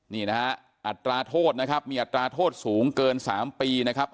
นี่นะฮะอัตราโทษนะครับมีอัตราโทษสูงเกิน๓ปีนะครับ